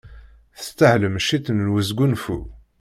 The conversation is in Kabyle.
Testahlem ciṭṭ n wesgunfu.